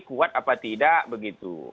kuat apa tidak begitu